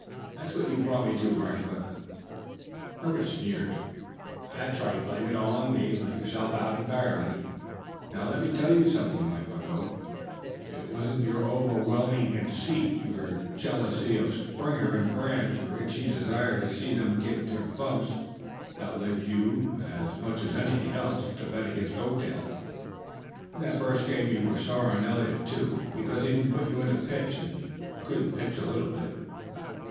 That's what you brought me to, Rackliff." Herbert sneered. "That's right, blame it all on me and let yourself out entirely. Now let me tell you something, my bucko: it was your over weening conceit, your jealousy of Springer and Grant, your itching desire to see them get their bumps, that led you, as much as anything else, to bet against Oakdale in that first game. You were sore on Eliot, too, because he didn't put you in to pitch and you couldn't pitch a little bit.